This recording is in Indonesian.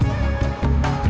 liat dong liat